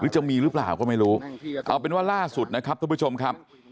จะมีหรือเปล่าก็ไม่รู้เอาเป็นว่าล่าสุดนะครับทุกผู้ชมครับ